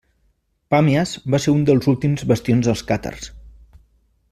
Pàmies va ser un dels últims bastions dels càtars.